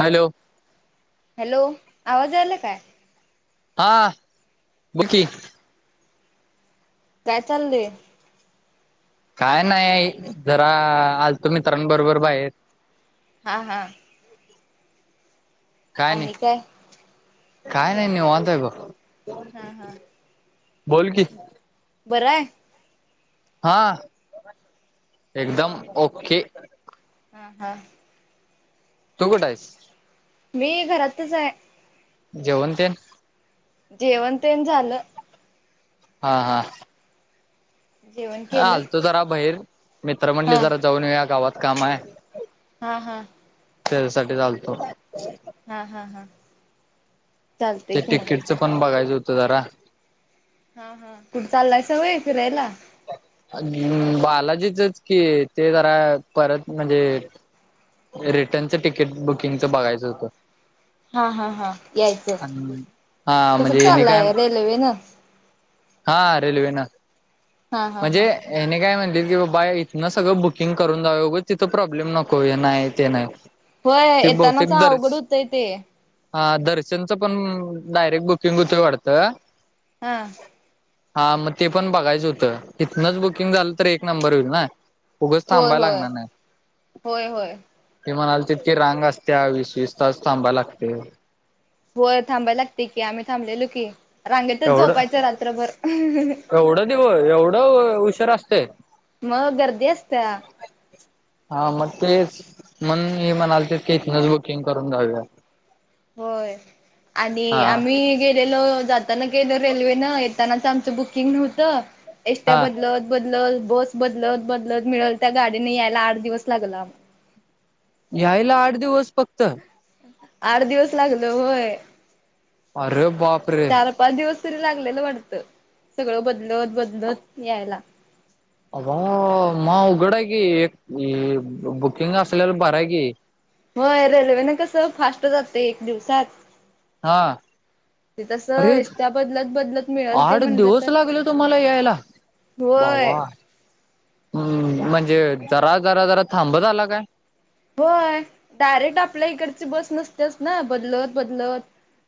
Hello hello आवाज यायलाय काय हां बोलकी काय चाललय, काय नाही जरा आलतो मित्रांबरोबर बाहेर, हा हा, काय नाही काय नाही निवांत आहे बघ हा हा बोल की बरं आहे, हा एकदम ओके हा हा, तू कुठं आहेस, मी घरातच आहे, जेवन ते जेवण तेण झालं, हा हा, जेवण हा केलं आलतो जरा बाहेर, मित्र म्हणले हा जरा जाऊन या गावात काम आहे, हा हा त्यासाठीच आलतो, हाहा हा चालतय ते की मग तिकीटचं पण बघायचं होतं जरा हा हा कुठे चाललास वय फिरायला बालाजीचच कि ते जरा परत म्हणजे, रिटर्नचं तिकीट बुकिंगचं बघायचं होतं, हा हा हा यायचं आणि हा कस म्हणजे हेनी काय चाललंय रेल्वे न हा रेल्वे न हा म्हणजे, हा याने काय म्हणले की बाबा इथून सगळं बुकिंग करून जाऊ उगं तिथं प्रॉब्लेम नको हे नाही ते नाही, होय, ते येतानाचं बहुतेक दर्श अवघड होतंय ते. हा, दर्शनचं पण डायरेक्ट बुकिंग होतंय वाटतं. हा. हा, मग ते पण बघायचं होतं. इथनंच बुकिंग झालं तर, एक नंबर होईल ना. उगच होय थांबायला होय लागणार नाही. होय होय ते म्हणालतेत की, रांग असते या वीस-वीस तास थांबायला लागतंय. होय, थांबायला लागते की आम्ही थांबलेलो की. रांगेतच एवढं? झोपायचं रात्रभर. आरे वो, एवढा उशीर असतंय? मग गर्दी असत्या. हा, मग तेच. म्हणून हे म्हणालतेत की इथंनच बुकिंग करून जाऊया. होय. आणि हा आम्ही गेलेलो. जाताना गेलो रेल्वेनं, येतानाच आमचं बुकिंग नव्हतं. एसट्या हा. बदलत बदलत बस बदलत बदलत, मिळल त्या गाडीने यायला आठ दिवस लागलं आम्हाला. यायला आठ दिवस फक्त? आठ दिवस लागलं, होय. अरे बापरे! चार पाच दिवस तरी लागलेलं वाटतं. सगळं बदलत बदलत यायला. अगं....... मग अवघड आहे की, एक ए बुकिंग असलेला बरं आहे की. होय. रेल्वेनं कसं फास्ट जातंय एक दिवसात. हा. ते तसं अरे एसट्या बदलत बदलत, मिळलं ते आठ म्हणलं दिवस तर लागले तुम्हाला यायला व्हय. भावा हम्म. म्हणजे जरा जरा जरा थांबत आला काय? होय. डायरेक्ट आपल्या इकडची बस नसत्याच ना बदलत बदलत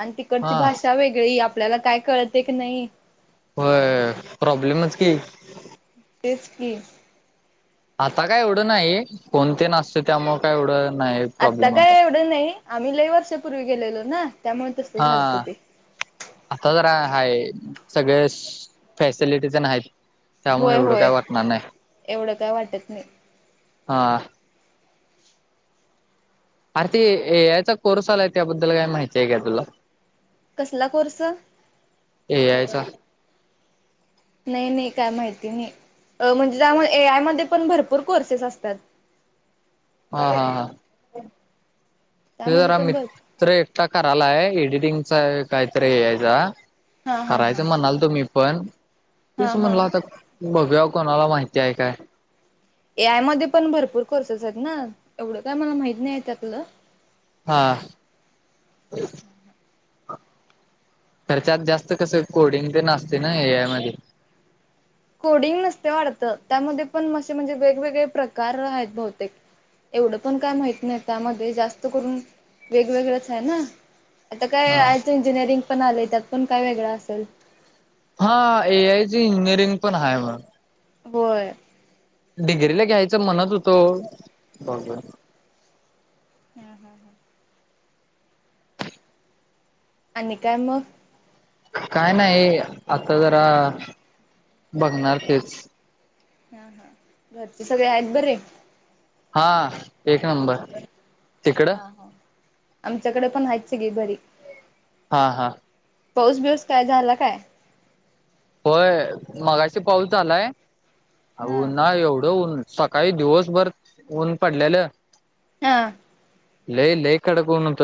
आणि तिकडची हा भाषा वेगळी आपल्याला काय कळत एक नाही. होय, प्रॉब्लेमच की. तेच की. आता काय एवढं नाही. फोन तेन असतोय त्यामुळं काय एवढं नाही. आत्ता प्रॉब्लेम काय आता एवढं नाही. आम्ही लई वर्षापूर्वी गेलेलो ना, त्यामुळं तसं हा. झालतं ते आता जरा हाय सगळ्या सू फॅसिलिटीज तेन आहेत. त्यामुळं होय एवढं होय काय वाटणार नाही, एवढं काय वाटत नाही हा. आर ते ए आय चा कोर्स आलाय, त्याबद्दल काय माहिती आहे का तुला? कसला कोर्स? ए आय चा. नाही.. नाही. काय माहिती नाही, अं म्हणजे त्यामुळे ए आय मध्ये पण भरपूर कोर्सेस असतात. हा हा. हा. ते त्यामध्ये जरा पण मित भर त्र एकटा करालाय आहे एडिटिंगचा काहीतरी ए आय चा हा हा हा करायचं म्हणालतो मी पण, हा तेच हा म्हणला आता बघूया कोणाला माहिती आहे काय. ए आय मध्ये पण भरपूर कोर्सेस आहेत ना, एवढं काय मला माहती नाही त्यातलं. हा. खरं त्यात जास्त कसं कोडिंग तेन असतय ना, ए आय मध्ये. कोडिंग नसतय वाटतं, त्यामध्ये पण असे म्हणजे वेगवेगळे प्रकार आहेत बहुतेक. एवढं पण काय माहित नाही. त्यामध्ये जास्त करून, वेगवेगळच आहे ना. आता काय ए हा आयचं इंजिनिअरींग पण आलंय त्यातपण काय वेगळं असल. हा, ए आय चं इंजिनिअरिंग पण आहे बघ. होय डिग्रीला घ्यायच म्हणत होतो, हम् हम हम आणि काय मग? काय नाही आता जरा बघणार तेच. हा हा घरचे सगळे आहेत बरे? हा एक नंबर. तिकडं हा हा आमच्याकडे पण आहेत सगळी बरी. हा हा पाऊस बिऊस काय झाला काय? होय मगाशी पाऊस झालाय उन्ह हा य एवढं ऊन, सकाळी दिवसभर ऊन पडलेलं. हा लई लई कडक ऊन होत,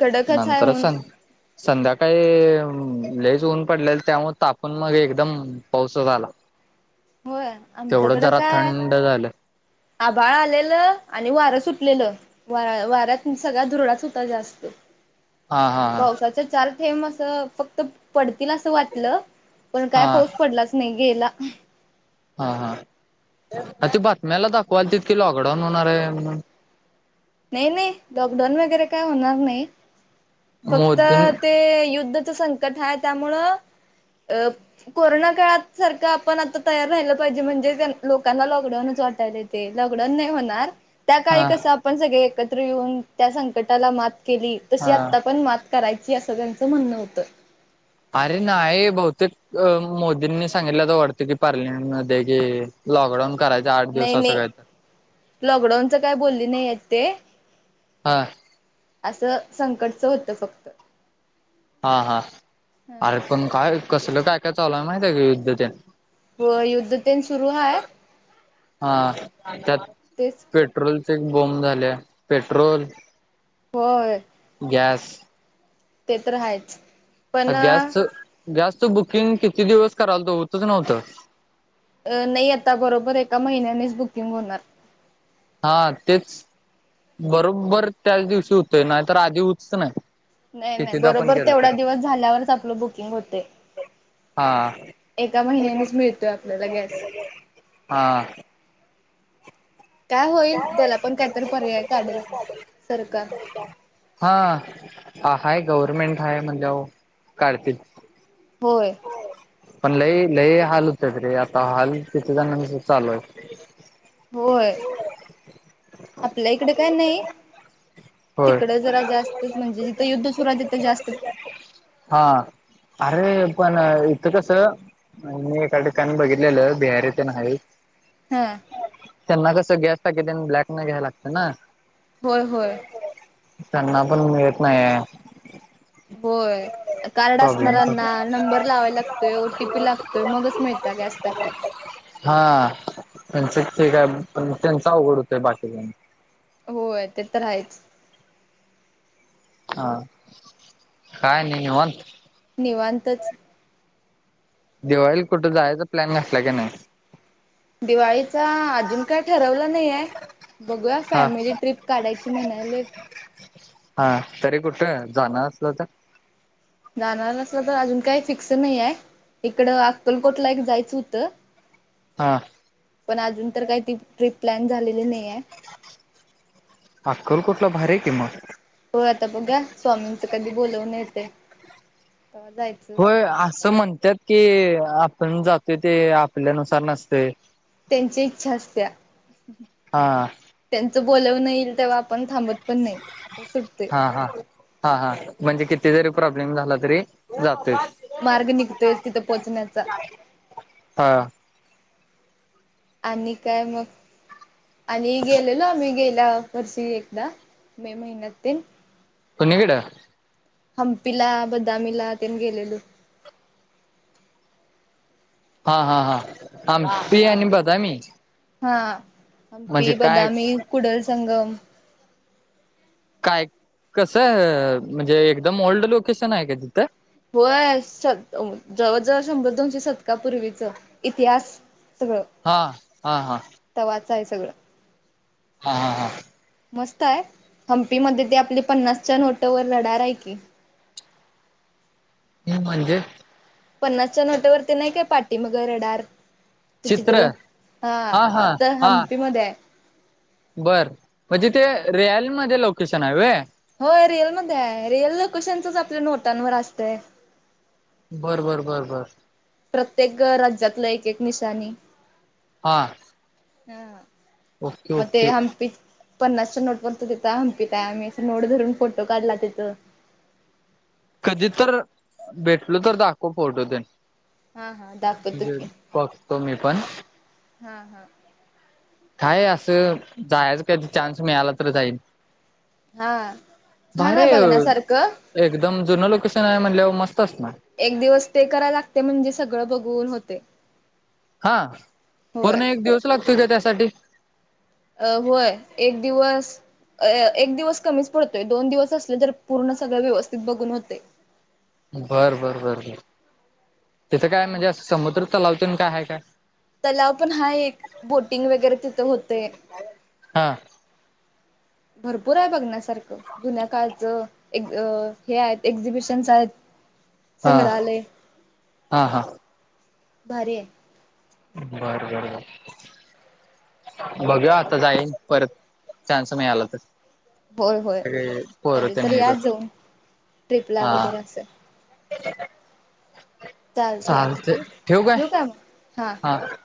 कडकच आहे नंतर ऊन सन संध्याकाळी लईच ऊन पडलेल त्यामुळ ताप पण मग एकदम पाऊसच आला होय तेवढं आमच्याकडं जरा काय थंड झालं. आभाळ आलेलं आणि वारं सुटलेलं वाार्या वाऱ्यात सगळा धुरळाच होता जास्त. हा हा आणि पावसाच चार थेंब असं फक्त पडतील असं वाटलं पण काय हा पाऊस पडलाच नाही गेला. हा हा आ, ते बातम्याला दाखवाल तत कि लॉकडाऊन होणार आहे म्हणून. नाही नाही लॉकडाऊन वगैरे काय होणार नाही. फक्त मोदी ते युद्धच संकट आहे त्यामुळं अ, कोरोना काळ सारखं आपण आता तयार राहिलं पाहिजे म्हणजे लोकांना लॉकडाऊनच वाटायला. ते लॉकडाऊन नाही होणार. त्या काळी हा कस आपण सगळे एकत्र येऊन त्या संकटाला मात केली तशी हा आत्ता पण मात. करायची अस त्यांचं म्हणणं होत. अरे नाही बहुतेक. अ मोदींनी सांगितलं तर वाटत की, पार्लिमेंट मध्ये कि, लॉकडाऊन करायच. नाही नाही लॉकडाऊनच काय बोलली नाही आहेत ते. हा, असं संकटचं होतं फक्त. हा हा, हा अरे पण काय कसलं काय काय चालूय माहित काय युद्धतेन. होय युद्धतेन सुरू आहे. हा, त्यात तेच की पेट्रोलचे एक बॉम्ब झाले पेट्रोल. होय, गॅस, ते तर हायच. गॅसच गॅसचं बुकिंग किती दिवस करायलातो होतच नव्हतं. अ नाही आता बरोबर एका महिन्यानेच बुकिंग होणार. हा, तेच बरोबर त्याच दिवशी होतय नाही तर आधी हुतच नाही. नाही नाही कितीदा पण बरोबर केलं तेवढा तरी दिवस झाल्यावरच आपलं बुकिंग होते. हा एका महिन्यानेच मिळतोय आपल्याला गॅस. हा, काय होईल त्याला पण काहीतरी पर्याय काढेल सरकार, हा, हाय गव्हरर्मेंट हा, म्हणल्यव काढतील. होय, पण लई लई हाल होत रे आता हाल किती जणांचं चालू आहे. होय आपल्या इकडे काय नाही. होय तिकडं जरा जास्तच म्हणजे जिथं युद्ध सुरू आहे तिथं जास्त. हा, अरे पण इथं कसं. आणि मी एका ठिकाणी बघितलेलं बिहारीते न आहेत. हा, त्यांना कास गॅसटाकी तेन ब्लॅकन घ्याय लागत ना. होय होय, त्यांना पण मिळत नाहीये. होय, कार्ड प्रॉब्लेम असणारांना नंबर लावायला लागतोय ओटीपी लागतोय मगच मिळतय गॅसटाकी. हा, त्यांच ठीक आहे पण त्यांच अवघड होतोय बाकीच्यांचं. होय ते तर आहेच. हा, काय नाही नीवात. निवांतच. दिवाळीला कुठं जायचचा प्लॅन घातला की, नाही. दिवाळीचा अजून काय ठरवलं नाहीय. बघूया हा फॅमिली ट्रिप काढायची म्हणायलोय. हा तरी कुठं जाणार असलं तर? जाणार असलं तर अजून काही फिक्स नाही आहे. इकडं अक्कलकोटला एक जायचं होतं. हा- पण आजुन तर काय ती ट्रिप प्लॅन झालेली नाय आहे. अक्कलकोटला भारी आहे की मग. हो आता बघूया स्वामींच कधी बोलवणं येतयं तवा जायच. होय असं म्हणत्यात की आपण जातोय ते आपल्यानुसार नसतय. त्यांची इच्छा असत्याय, हा त्यांच बोलावणं येईल तेव्हा आपण थांबत- पण नाही. असं सुटतंय हा हा- हा हा! ! म्हणजे किती जरी प्रॉब्लेम झाला तरी जातोयच. मार्ग निघतोयच तिथं पोहोचण्याचा. हा- आणि काय मग? आणि गेलेलो आमही गेल्या वर्षी एकदा मे महिन्यात ते. कुणी कडं? हम्पीला बदामीला तेन गेलेलो. हा हा हा! ! हम्पी आणि बदामी. हा हम्पी, म्हणजे काय बदामी, कुडल संगम. काय कसं म्हणजे एकदम ओल्ड लोकेशन हाय का तिथं? होय म्हणजेत जवळ, जवळ शंभर दोनशे शतकापूर्वीच इतिहास. सगळं- हा हा हा! - तवाच हाय सगळं. हा हा हा- मस्त हाय हंपी मध्ये ते आपली पन्नासच्या नोट वर रडार आहे की. [inaudible] पन्नासच्या नोटवरती नाय काय पाठी माग रडार? ते चित्र हा ते हा तिथं हा हम्पी मध्ये हाय. बर म तिथे रियाल मध्ये लोकेशन हाय होय? होय रीयलमध्ये हाय रियल लोकेशनचच आपल्या नोटांवरती असतय. बरं बर बरं बर- प्रत्येक राज्यातलं एक एक निशाणी. हा- हा ओके म ते ओके हम्पी- पन्नासच्या नोट वर त तिथ हम्पीत हाय आम्ही अस नोट धरून फोटो काढला तिथं. कधी तर भेटलो तर दाखव फोटो तेन. हा हा दाखवतो म्हणजे की बघतो मी पण. हा हा- काय असं जायच कधी चान्स मिळाला तर जाईल. हा छान आहे बघण्यासारखं. आहे एकदम जुनं लोकेशन आहे म्हणल्याव मस्त असणार. एक दिवस स्टे कराय लागतंय म्हणजे सगळं बघून होतंय. हा पूर्ण एक दिवस लागतोय का त्यासाठी? अ होय एक दिवस एक दिवस कमीच पडतोय दोन दिवस असले तर पूर्ण सगळं व्यवस्थित बघून होतंय बर बर बर बर तिथं काय म्हणजे त्यामुळे समुद्र तलावतेन काय आहे काय? तलाव पण आहे एक बोटिंग वगैरे तिथ होतय हा भरपूर हाय बघण्यासारखं जुन्या काळचं हे आहेत एक्झिबिशन्स आहेत. हा संग्रहालय हा हा भारी आहे. बर बर बर बघूया आता जाईन परत चान्स मिळाला तर होय होय अे पोर कधीतरी तेनी या ब जाऊन ट्रिपला हा वगैरे असं चालते ठेवू काय हा हा